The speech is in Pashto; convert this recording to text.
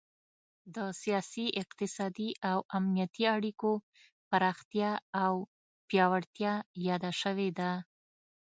د سیاسي، اقتصادي او امنیتي اړیکو پراختیا او پیاوړتیا یاده شوې ده